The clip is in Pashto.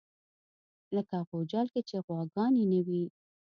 لکه غوجل کې چې غواګانې نه وي.